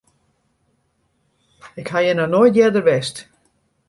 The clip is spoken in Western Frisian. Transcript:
Ik ha hjir noch nea earder west.